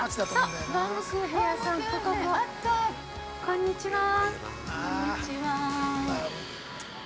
こんにちは。